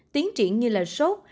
tiến triển như là sốt